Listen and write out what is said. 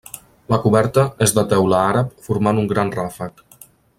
La coberta és de teula àrab formant un gran ràfec.